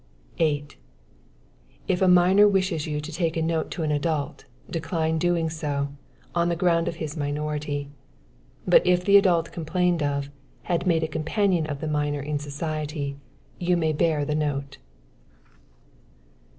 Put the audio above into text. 8. If a minor wishes you to take a note to an adult, decline doing so, on the ground of his minority. But if the adult complained of, had made a companion of the minor in society, you may bear the note.